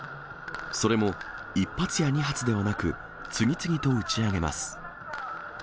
それも１発や２発ではなく、次々と打ち上げます。